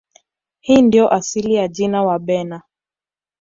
Hii ndiyo asili ya jina Wabena